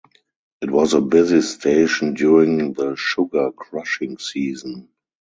It was a busy station during the sugar crushing season.